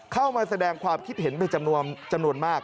เข้ามาแสดงความคิดเห็นเป็นจำนวนมาก